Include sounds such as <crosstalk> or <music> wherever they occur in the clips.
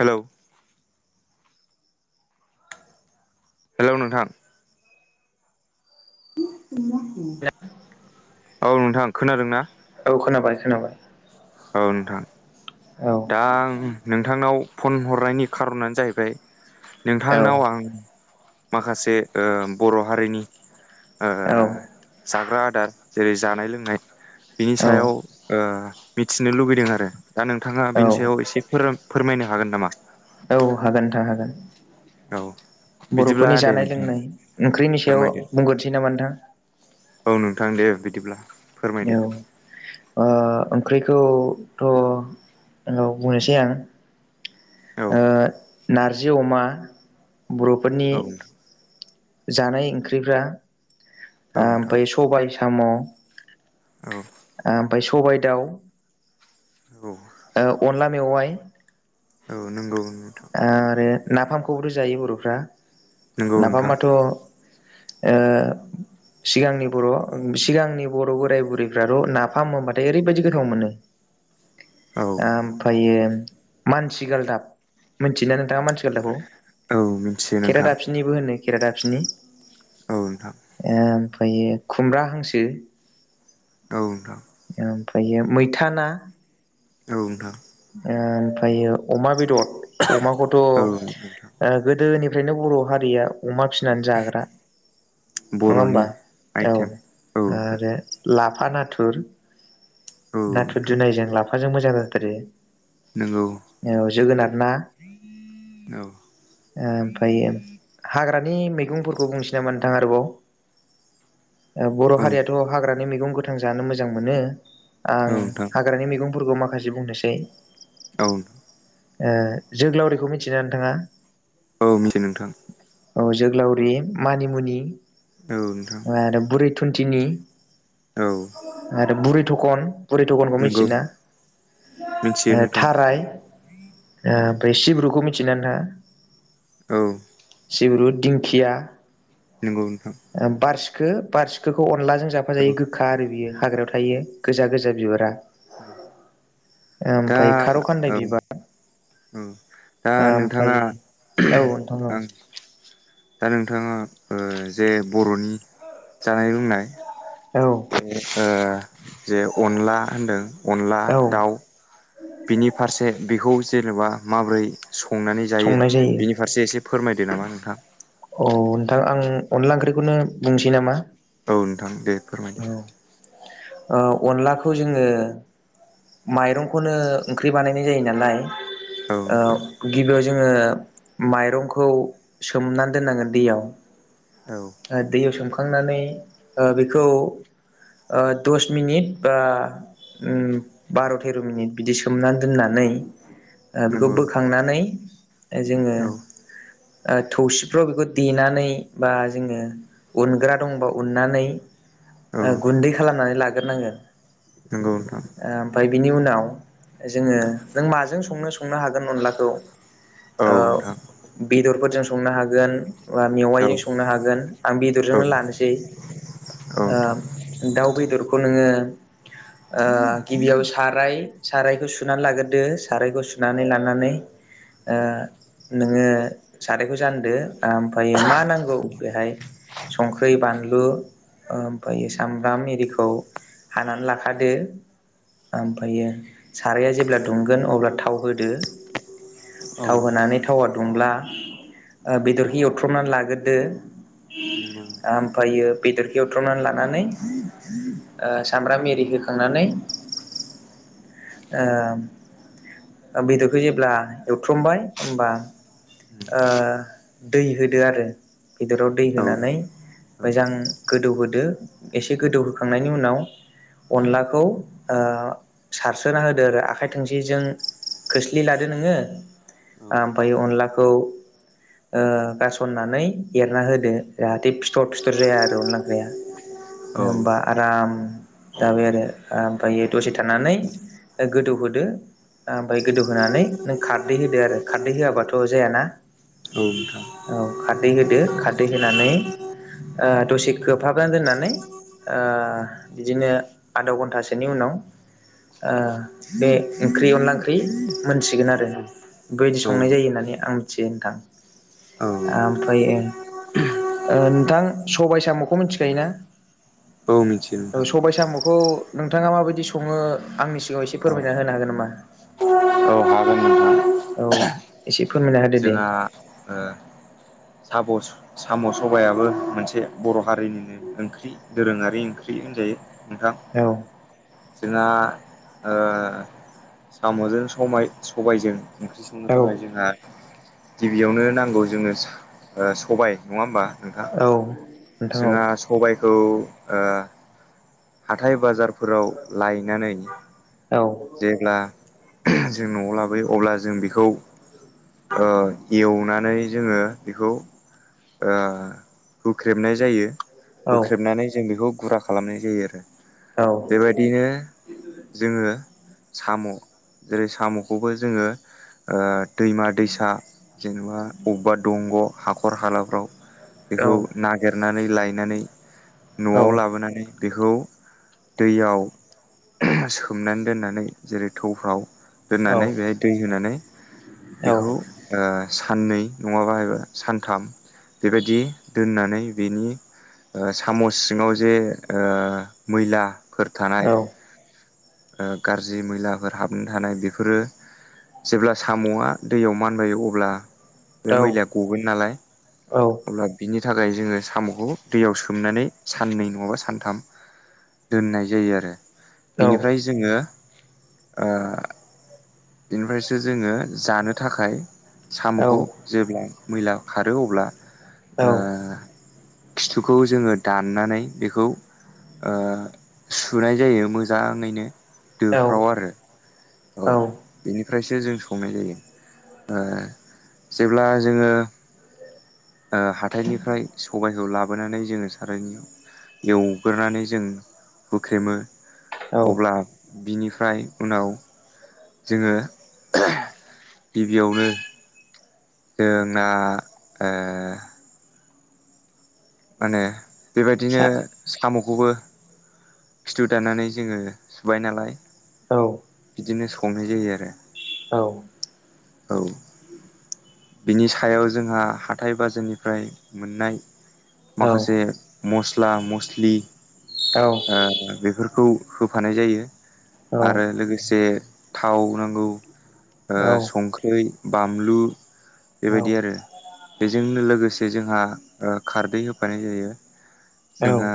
हेल' हेल' नोंथां औ औ नोंथां खोनादों ना खोनाबाय खोनाबाय औ नोंथां औ दा आं नोंथांनाव फन हरनायनि खार'नानो जाहैबाय औ नोंथांनाव आं माखासे बर' हारिनि ओ औ जाग्रा आदार जेरै जानाय लोंनाय बिनि सायाव मिथिनो लुबैदों आरो दा नोंथाङा औ बेनि सायाव एसे फोरमायनो हागोन नामा औ हागोन नोंथां हागोन औ बिदिब्ला बर'फोरनि दे जानाय नोंथां लोंनाय ओंख्रिनि सायाव फोरमायदो बुंग्रोनोसै नामा नोंथां औ नोंथां दे बिदिब्ला फोरमायदो औ ओ ओंख्रिखौथ' बुंनोसै आं ओ नारजि अमा बर'फोरनि औ जानाय ओंख्रिफ्रा औ नोंथां औ नोंथां ओमफ्राय सबाय साम' औ ओमफ्राय सबाय दाउ औ अनला मेवाइ औ नंगौ नोंथां आरो नाफामखौबोथ' जायो बर'फ्रा नंगौ नोंथां नाफामाथ'। ओ। सिगांनि बर' सिगांनि बर' बोराय बुरैफ्राथ' नाफाम होनबाथाय ओरैबायदि गोथाव मोनो। औ आमफ्रायो मानसि गालदाब। मिथियोना नोंथाङा मानसि गालदाबखौ औ मिथियो नोंथां केरादा खेरादाफिनि। औ नोंथां आमफायो खुमब्रा हांसो। औ नोंथां। ओमफ्रायो मैथा ना। औ नोंथां। ओ ओमफ्रायो अमा बेदर अमाखौथ' औ नोंथां गोदोनि। ओंखायनो बर' हारिया अमा फिसिनानै जाग्रा। नङा बर'नि होमबा औ आइटेम औ नोंथां आरो लाफा ना। नाथुर औ नाथुर नोंथां जुनायजों लाफाजों मोजां जाथारो। नंगौ औ जोगोनार ना। औ ओमफ्राय हाग्रा। मानि मैगंफोरखौ बुंनोसैनामा नोंथां आरोबाव। बर' औ हारियाथ' हाग्रानि मैगं गोथां जानो मोजां मोनो आं औ नोंथां हाग्रानि मैगं। फोरखौ माखासे बुंनोसै। औ। ओ जोग्लावरिखौ मिथियोना नोंथाङा? औ मिथियो नोंथां। औ जोग्लावरि मानिमुनि। औ नोंथां आरो बुरै थुन्थिनि औ आरो बुरै। थखन बुरि थखनखौ नंगौ मिथियो ना। मिथियो ओ नोंथां थाराय ओ औ ओमफ्राय सिब्रुखौ मिथियोना नोंथाङा? औ। सिब्रु दिंखिया। नंगौ नोंंथां सिखो बारसिखिखौ अनलाजों औ जाफाजायो गोखा आरो बियो हाग्रायाव थायो गोजा गोजा बिबारा। औ। दा ओमफ्राय खारौ खान्दाइ औ बिबार। औ दा ओमफ्राय नोंथाङा औ नोंथां आं। औ दा नोंथाङा ओ जे बर'नि जानाय लोंनाय। औ ज जे अनला होनदों अनला औ दाउ। बिनि फारसे बेखौ जेनेबा माबोरै। संनानै जायो बिनि फारसे एसे फोरमायदो नामा नोंथां। औ नोंथां आं अनला ओंख्रिखौनो बुंसै नामा। औ नोंथां दे फोरमायदो। ओअनलाखौ जोङो माइरंखौनो ओंख्रि बानायनाय जायो नालाय। औ ओ नोंथां गिबियाव जों जोङो माइरंखौ सोमनानै दोननांगोन दैयाव। औ दैयाव सोमखांनानै ओ बेखौ। ओ दस मिनिट बा। बार' थेर' मिनिट बिदि सोमनानै दोननानै ओ बेखौ नंगौ नोंथां बोखांनानै। जोङो। औ ओ थौसिफ्राव बेखौ देनानै बा जोङो उनग्रा दंबा उननानै। औ ओ गुन्दै खालामनानै लाग्रोनांगोन। नंगौ नोंथां। ओमफ्राय बिनि उनाव जोङो नों माजों संनो संनो हागोन अनलाखौ। औ ओ नोंथां बेदरफोरजों संनो हागोन बा औ मेवाइजों संनो हागोन आं नोंथां बेदरजोंनो लानोसै औ ओ नोंथां दाउ बेदरखौ नोङो आ गिबियाव साराय सारायखौ सुनानै लाग्रोदो सारायखौ सुनानै लानानै ओ नोङो सारायखौ जानदो आमफ्रायो मा नांगौ बेहाय संख्रि बानलु ओमफायो सामब्राम‌ इरिखौ हानानै लाखादो ओमफायो साराया जेब्ला दुंगोन अब्ला थाव होदो। थाव होनानै थावा दुंब्ला ओ बेदरनि एवथ्रमना लाग्रोदो ओमफायो बेदरखो एवथ्रमना लानानै ओ सामब्राम एरि होखांनानै ओ बेदरखौ जेब्ला एवथ्रमबाय होमबा ओ दै होदो आरो बेदराव दै औ होनानै मोजां गोदौहोदो एसे गोदौहोखांनायनि उनाव अनलाखौ ओ सारसोना होदो आरो आखाय थोंसिजों खोस्लि लादो नोङो ओमफाय अनलाखौ <unintelligible> ओ गासननानै एरना होदो जाहाथे फिथर फिथर जाया आरो अनला ओंख्रिया होमबा आराम जाबाय आरो आमफायो दसे थानानै गोदौहोदो आमफाय गोदौहोनानै नों खारदै होदो आरो खारदै होआबाथ' थ जायाना औ खारदै होदो खारदै होनानै ओ दसे खोबहाबोन दोननानै ओ बिदिनो आध घन्टासोनि उनाव ओ बे ओंख्रि अनला ओंख्रि मोनसिगोन आरो बेबायदि संनाय जायो होननानै आं मिथियो ओनथां औ आमफ्रायो ओ नोंथां सबाय साम'खौ मिथिखायो ना औ मिथियो नोंथां बेखौ नोंथाङा माबायदि सङो आंनि सिगाङाव एसे औ फोरमायना होनो हागोन नामा औ हागोन नोंथां औ एसे फोरमायना होदो दे जोंहा ओ साब साम' सबायाबो मोनसे बर' हारिनिनो ओंख्रि दोरोङारि ओंख्रि होनजायो नोंथां औ जोंहा ओ साम'जों समाय सबायजों ओंख्रि संनो औ थाखाय जोंहा गिबियावनो नांगौ जोङनो साम सबाय नङा होमबा नोंथां औ नोंथां औ जोंहा सबायखौ ओ हाथाय बाजारफोराव लायनानै औ जेब्ला जों न'आव लाबोयो अब्ला जों बेखौ ओ एवनानै जोङो बेखौ ओ हुख्रेबनाय जायो औ हुख्रेबनानै जों बेखौ गुरा खालामनाय जायो आरो औ बेबायदिनो जोङो साम' जेरै साम'खौबो जोङो ओ दैमा दैसा जेनेबा अबबा दंग' हाखर हालाफ्राव बेखौ औ नागिर नानै लायनानै न'आव लाबोनानै बेखौ दैयाव सोमनानै दोननानै जेरै थौफ्राव दोननानै बेहाय दै होनानै बेखौ ओ साननै नङाबाब सानथाम बेबायदि दोननानै बेनि <unintelligible> ओ साम' सिङाव जे ओ मैलाफोर थानाय ओ गाज्रि मैलाफोर हाबनो थानाय बेफोरो जेब्ला साम'आ दैयाव मानबाय अब्ला। बे मैलाया गगोन नालाय अब्ला बिनि बेनि थाखाय जोङो साम'खौ दैयाव सोमनानै साननै नङाबा सानथाम दोननाय जायो आरो। औ। बिनिफ्राय जोङो ओ बेनिफ्रायसो जोङो जानो थाखाय साम'खौ जेब्ला मैला खारो अब्ला ओ खिथुखौ जोङो दाननानै बेखौ ओ सुनाय जायो मोजां मोजाङैनो दोफ्राव आरो अ बिनि निफ्रायसो जों संनाय जायो ओ जेब्ला जोङो ओ हाथायनिफ्राय सबाय खौ लाबोनानै जोङो सारायनियाव एवग्रोनानै जों हुख्रेमो अब्ला बिनिफ्राय उनाव जोङो गिबियावनो जोंना ओ मानो बेबायदिनो साम' खौबो खिथु दाननानै जोङो सुबाय नालाय औ बिदिनो संनाय जायो आरो औ औ बिनि सायाव जोंहा हाथाय बाजारनिफ्राय मोननाय माखासे मस्ला मस्लि ओ बेफोरखौ खौ होफानाय जायो आरो लोगोसे थाव नांगौ ओ संख्रै बानलु बेबायदि आरो बेजोंनो लोगोसे जोंहा ओ खारदै होब होफानाय जायो जोंहा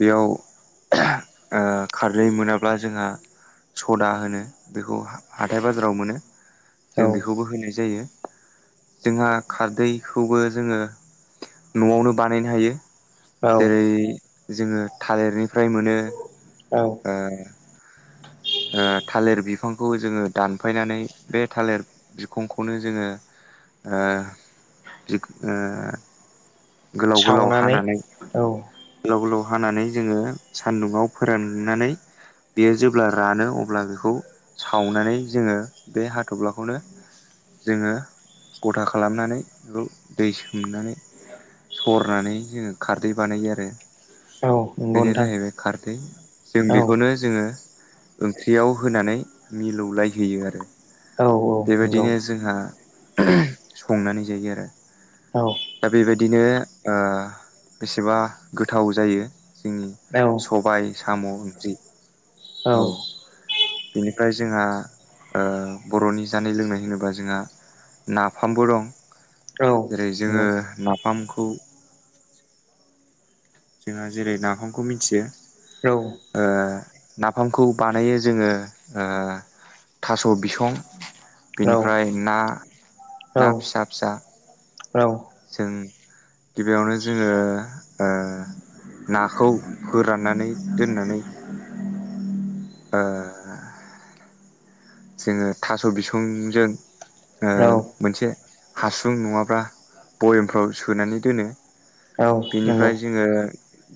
बेयाव ओ खारै मोनाब्ला जोंहा सदा होनो बेखौ हाथाय बाजाराव मोनो जों बेखौबो होनाय जायो जोंहा खारदैखौबो जोङो न'आवनो बानायनो हायो जेरै जोङो थालिरनिफ्राय मोनो ओ ओ थालिर बिफांखौ जोङो दानफायनानै बे थालिर बिखंखौनो जोङो ओ <unintelligible> गोलाव गोलाव सावनानै हानानै औ गोलाव गोलाव हानानै जोङो सानदुंङाव फोराननानै बेयो जेब्ला रानो अब्ला बेखौ सावनानै जोङो बे हाथब्लाखौनो जोङो गथा खालामनानै बेखौ दै सोमनानै ‌ सरनानै जोङो खारदै बानायो आरो औ नंगौ बेनो नोंथां जाहैबाय खारदै जों औ बेखौनो जोङो ओंख्रियाव होनानै मिलौलायहोयो आरो औ नंगौ बेबायदिनो जोंहा संनानै जायो आरो औ दा बेबायदि बिदिनो ओ बेसेबा गोथाव जायो जोंनि औ सबाय साम' ओंख्रि औ बेनिफ्राय जोंहा बर'नि ओ जानाय लोंनाय होनोबा जोंहा नाफामबो दं जेरै नंगौ जोङो नोंथां न फामखौ जोंहा जेरै नाफामखौ मिथियो औ ओ नाफामखौ बानायो जोङो ओ थास' बिसं बेनिफ्राय औ ना ना फिसा फिसा जों गिबियावनो जोङो ओ नाखौ फोराननानै दोननानै ओ जोङो थास' बिसंजों ओ औ मोनसे हासुं नङाब्ला भयेमफ्राव सोनानै दोनो औ नंगौ बेनिफ्राय जोङो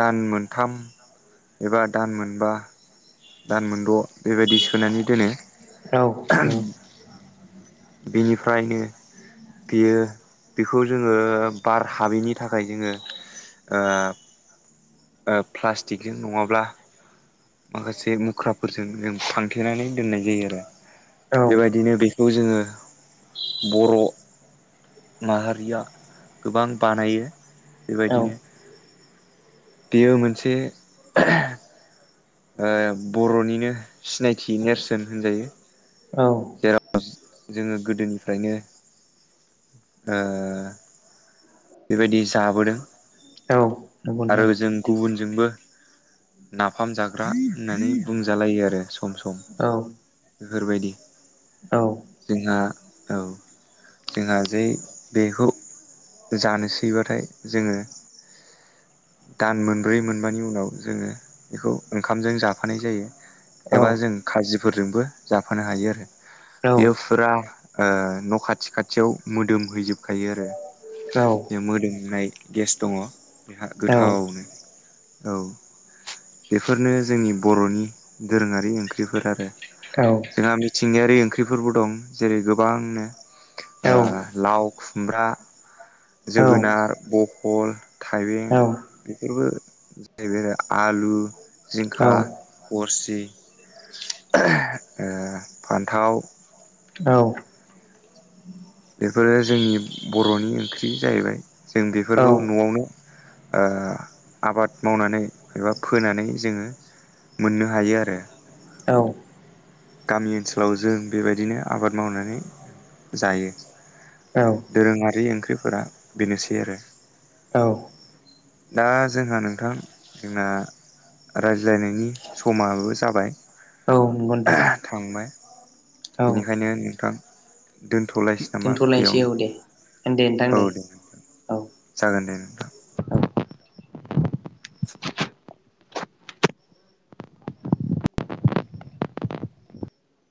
दान मोनथाम एबा दान मोनबा दान मोनद' बेबायदि सोनानै दोनो औ औ। बेनिफ्रायनो बेयो बेखौ जोङो बार हाबैनि थाखाय जोङो ओ ओ प्लास्टिकजों नङाब्ला माखासे मुख्राफोरजों जों फांथेनानै दोननाय जायो आरो। औ बेबायदिनो बेखौ जोङो बर' माहारिया गोबां बानायो औ बेबायदिनो बेयो मोनसे ओ बर'निनो सिनायथि नेरसोन होनजायो औ जेराव जोङो गोदोनिफ्रायनो ओ बेबायदि जाबोदों औ नंगौ आरो जों नोंथां गुबुनजोंबो नाफाम जाग्रा होननानै बुंजालायो आरो सम सम औ बेफोरबायदि औ जोंहा औ जोंहा जे बेखौ जानोसैबाथाय जोङो दान मोनब्रै मोनबानि उनाव जोङो बेखौ ओंखामजों जाफानाय जायो औ एबा जों खाजिफोरजोंबो जाफानो हायो आरो औ बेयो फुरा ओ न' खाथि खाथियाव मोदोम हैैजोबखायो आरो। औ बे मोदोमनाय गेस दङ बेहा औ गोथावनो औ बेफोरनो जोंनि बर'नि दोरोङारि ओंख्रिफोर आरो जोंहा थिंगायारि ओंख्रिफोरबो दं जेरै गोबांनो ओ औ लाव खुमब्रा जोगोनार बहल थाइबें बेफोरबो जबाय आलु जिंखा गरसि ओ फान्थाव बेफोरो जोंनि बर'नि ओंख्रि जाहैबाय जों बेफोरखौ न'आवनो ओ आबाद मावनानै एबा फोनानै जोङो मोननो हायो आरो। औ गामि ओनसोलाव जों बेबायदिनो आबाद मावनानै जायो दोरोङारि ओंख्रिफोरा बेनोसै आरो। औ औ दा जोंहा नोंथां जोंना रायज्लायनायनि समाबो जाबाय औ नंगौ नोंथां औ थांबाय बेनिखायनो नोंथां दोनथ'लायसि नामा दोनथ'लायनोसै बेयावनो औ दे दे नोंथां औ दे नोंथां औ जागोनदे नोंथां। औ